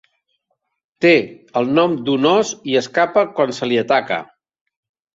Té el nom d'un ós i escapa quan se li ataca.